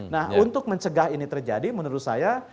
nah untuk mencegah ini terjadi menurut saya